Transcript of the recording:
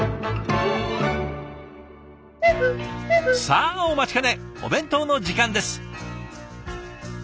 さあお待ちかねお弁当の時間です。